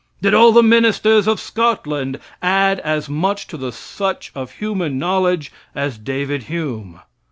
Did all the ministers of Scotland add as much to the such of human knowledge as David Hume?